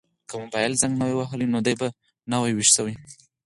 که موبایل زنګ نه وای وهلی نو دی به نه وای ویښ شوی.